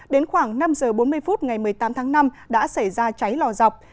đến khoảng năm giờ bốn mươi phút ngày một mươi tám tháng năm đã xảy ra cháy lò dọc